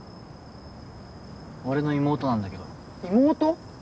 俺の妹なんだけど妹！？